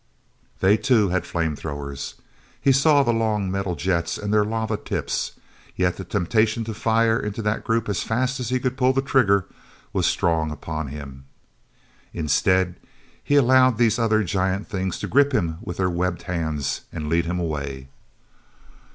They, too, had flame throwers—he saw the long metal jets and their lava tips. Yet the temptation to fire into that group as fast as he could pull trigger was strong upon him. Instead he allowed these other giant things to grip him with their webbed hands and lead him away.